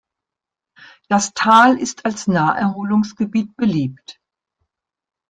Das Tal ist als Naherholungsgebiet beliebt.